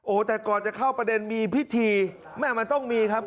แต่ก่อนจะเข้าประเด็นมีพิธีแม่มันต้องมีครับ